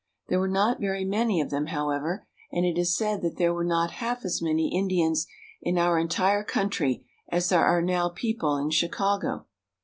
There were not very many of them, however, and it is said that there were not half as many In dians in our entire coun try as there are now peo ple in Chicago.